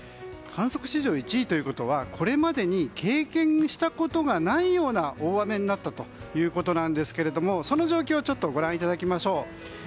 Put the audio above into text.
観測史上１位ということはこれまでに経験したことがないような大雨になったということなんですけれどもその状況をご覧いただきましょう。